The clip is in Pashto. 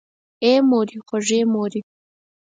آی مورې خوږې مورې!